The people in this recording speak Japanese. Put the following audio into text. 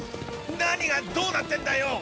何がどうなってんだよ？